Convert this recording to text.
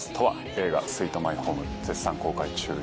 映画『スイート・マイホーム』絶賛公開中です。